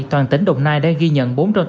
toàn tỉnh đồng nai đã ghi nhận